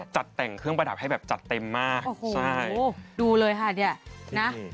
จัดแต่งเครื่องประดับให้แบบจัดเต็มมากโอ้โหดูเลยค่ะเนี่ยนะ